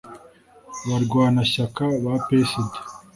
abarwanashyaka ba psd